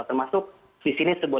termasuk di sini sebuah